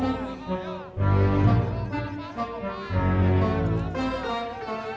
jangan sampai kalau turf bukan bahu